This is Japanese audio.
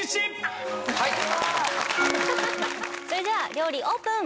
それでは料理オープン！